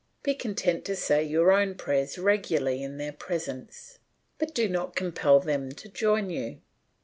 Be content to say your own prayers regularly in their presence, but do not compel them to join you.